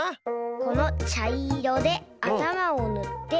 このちゃいろであたまをぬって。